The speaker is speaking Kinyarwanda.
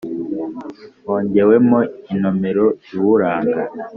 hongewemo inomero iwuranga